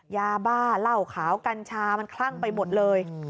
ยาบ้าเหล้าขาวกัญชามันคลั่งไปหมดเลย